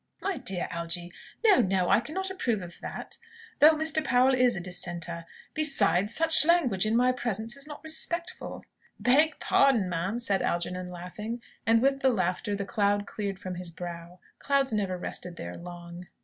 "My dear Algy! No, no; I cannot approve of that, though Mr. Powell is a Dissenter. Besides, such language in my presence is not respectful." "Beg pardon, ma'am," said Algernon, laughing. And with the laughter, the cloud cleared from his brow. Clouds never rested there long.